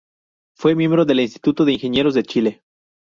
Fue miembro del Instituto de Ingenieros de Chile.